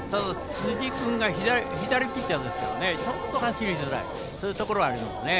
辻君が左ピッチャーですからねちょっといきづらいそういうところはありますね。